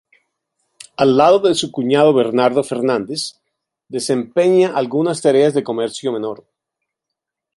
Al lado de su cuñado Bernardo Fernández desempeña algunas tareas de comercio menor.